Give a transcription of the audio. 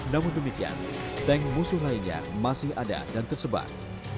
namun demikian tank musuh lainnya masih ada dan tersebar